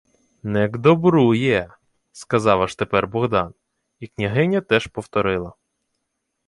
— Не к добру є, — сказав аж тепер Богдан, і княгиня теж повторила: